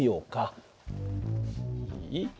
いい？